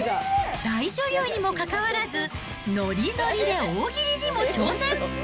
大女優にもかかわらず、ノリノリで大喜利にも挑戦。